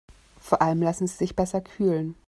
Vor allem lassen sie sich besser kühlen.